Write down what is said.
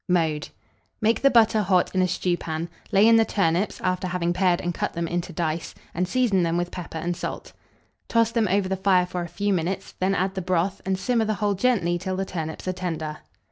Mode. Make the butter hot in a stewpan, lay in the turnips, after having pared and cut them into dice, and season them with pepper and salt. Toss them over the fire for a few minutes, then add the broth, and simmer the whole gently till the turnips are tender.